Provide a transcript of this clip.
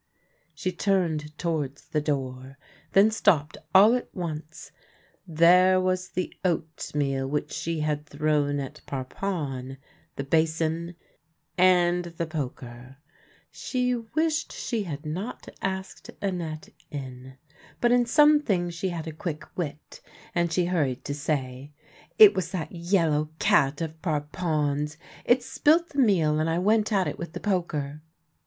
She turned towards the door, then stopped all at once. There was the oatmeal which she had thrown at Parpon, the basin, and the poker. She wished she 212 THE LANE THAT HAD NO TURNING had not asked Annette in. But in some things she had a quick wit, and she hurried to say :" It was that yellow cat of Parpen's. It spilt the meal, and I went at it with the poker."